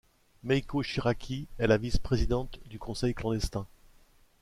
Meiko Shiraki est la vice présidente du conseil clandestin.